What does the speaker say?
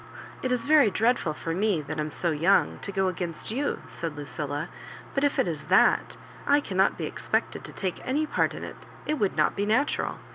" It is very dreadful for me that am so young to go against you, '^ said Lucilla; ''but if it is thatj I cannot be expected to take any part in it — it would not be natural.